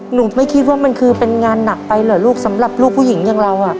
หนูไม่คิดว่ามันคือเป็นงานหนักไปเหรอลูกสำหรับลูกผู้หญิงอย่างเรา